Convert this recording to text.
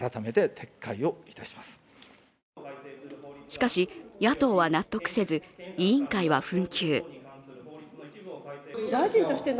しかし、野党は納得せず、委員会は紛糾。